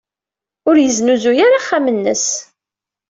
Ur yesnuzuy ara axxam-nnes.